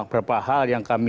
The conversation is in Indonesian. beberapa hal yang kami